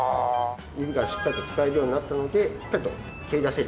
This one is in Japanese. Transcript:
指がしっかりと使えるようになったのでしっかりと蹴り出せる。